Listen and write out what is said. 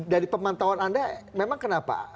dari pemantauan anda memang kenapa